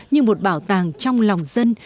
như một bảo tàng trong lòng dân